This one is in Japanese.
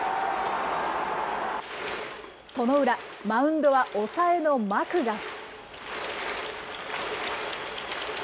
その裏、マウンドは抑えのマクガフ。